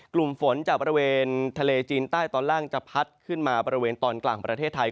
กลุ่มฝนจากบริเวณทะเลจีนใต้ตอนล่างจะพัดขึ้นมาบริเวณตอนกลางของประเทศไทย